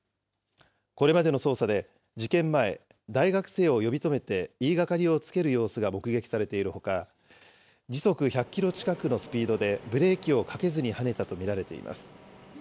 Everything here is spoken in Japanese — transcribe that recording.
これまでの捜査で、事件前、大学生を呼び止めて言いがかりをつける様子が目撃されているほか、時速１００キロ近くのスピードでブレーキをかけずにはねたと見られています。